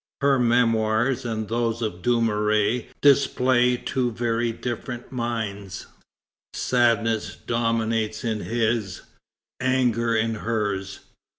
Her Memoirs and those of Dumouriez display two very different minds. Sadness dominates in his; anger in hers.